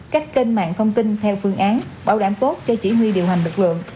các kênh mạng thông tin theo phương án bảo đảm tốt cho chỉ huy điều hành lực lượng